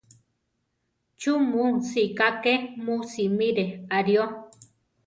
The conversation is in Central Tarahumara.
¿Chú mu sika ké mu simire aʼrío?